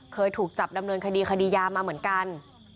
เคยถูกจับดำเนินคดีคดียามาเหมือนกัน